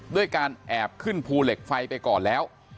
ด้วยการแอบขึ้นภูเหล็กไฟไปก่อนแล้ว